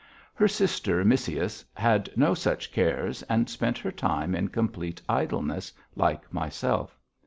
Her sister, Missyuss, had no such cares and spent her time in complete idleness, like myself.